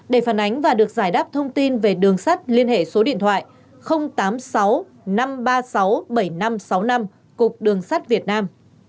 để phản ánh và được giải đáp thông tin về đường sắt liên hệ số điện thoại tám mươi sáu năm trăm ba mươi sáu bảy nghìn năm trăm sáu mươi năm cục đường sắt việt nam